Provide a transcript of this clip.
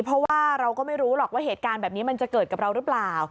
เพราะว่าเราก็ไม่รู้หรอกว่าเหตุการณ์แบบนี้มันจะเกิดกับเราหรือเปล่า